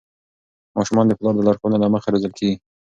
ماشومان د پلار د لارښوونو له مخې روزل کېږي.